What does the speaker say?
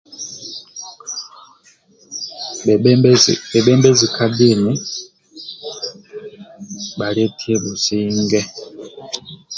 Bhebembezi bhebembezi ka dini bhaieti businge